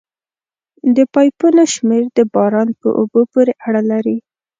د پایپونو شمېر د باران په اوبو پورې اړه لري